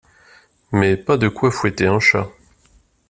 mais pas de quoi fouetter un chat.